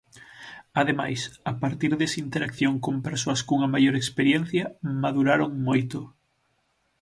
Ademais, a partir desa interacción con persoas cunha maior experiencia, maduraron moito.